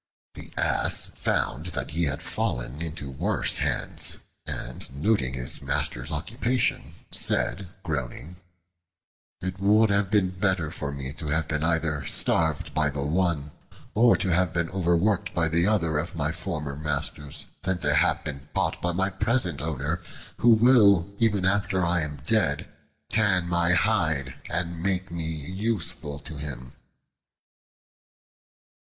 The Ass found that he had fallen into worse hands, and noting his master's occupation, said, groaning: "It would have been better for me to have been either starved by the one, or to have been overworked by the other of my former masters, than to have been bought by my present owner, who will even after I am dead tan my hide, and make me useful to him."